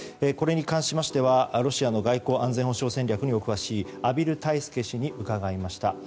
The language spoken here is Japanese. これに関してはロシアの外交・安全保障政策にお詳しい畔蒜泰助氏に伺いました。